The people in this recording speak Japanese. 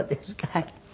はい。